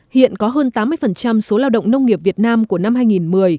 hiện có hơn tám mươi số lao động nông nghiệp việt nam của năm hai nghìn một mươi